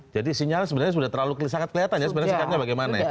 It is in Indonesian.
jadi sinyalnya sebenarnya sudah terlalu sangat kelihatan ya sebenarnya sikapnya bagaimana ya